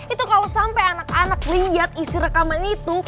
itu kalau sampai anak anak lihat isi rekaman itu